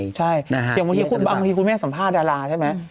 อย่างบางทีคุณแม่สัมภาษณ์ดาราใช่ไหม